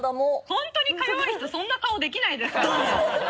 本当にか弱い人そんな顔できないですからね。